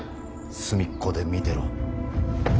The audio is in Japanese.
隅っこで見てろ。